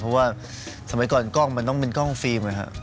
เพราะว่าสมัยก่อนกล้องมันต้องเป็นกล้องฟิล์มนะครับ